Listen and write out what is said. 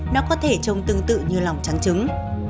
nó có thể trông tương tự như lòng trắng trứng